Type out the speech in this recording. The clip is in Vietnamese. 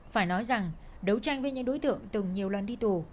phải nói rằng đấu tranh với những đối tượng từng nhiều lần đi tù